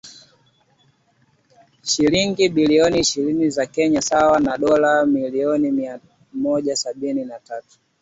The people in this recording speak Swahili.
shilingi bilioni ishirini za Kenya sawa na dola milioni mia moja sabini na tatu